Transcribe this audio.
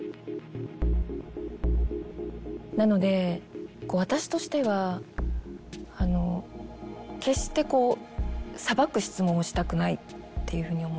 なので私としては決してこう裁く質問をしたくないっていうふうに思っていて。